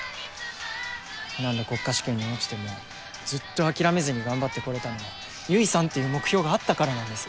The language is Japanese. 何度国家試験に落ちてもずっと諦めずに頑張ってこれたのは結衣さんっていう目標があったからなんです！